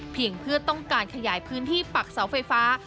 เพื่อต้องการขยายพื้นที่ปักเสาไฟฟ้า